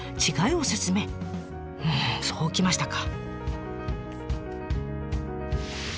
うんそうきましたか！